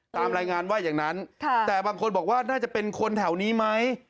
ตามรายงานว่าอย่างนั้นแต่บางคนบอกว่าน่าจะเป็นคนแถวนี้ไหม